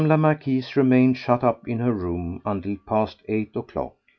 la Marquise remained shut up in her room until past eight o'clock.